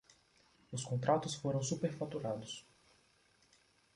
Os contratos foram superfaturados